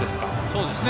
そうですね。